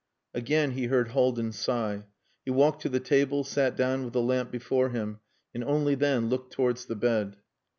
Again he heard Haldin sigh. He walked to the table, sat down with the lamp before him, and only then looked towards the bed.